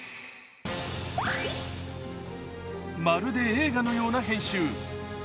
まるで映画のような編集。